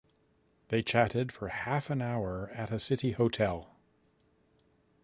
They chatted for half an hour at a city hotel.